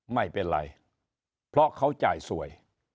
ไม่เป็นไรเพราะเขาจ่ายสวย